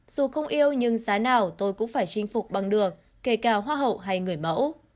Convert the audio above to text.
dù không yêu nhưng giá nào tôi cũng phải chinh phục bằng được kể cả hoa hậu hay người mẫu